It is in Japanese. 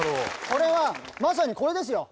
これはまさにこれですよ。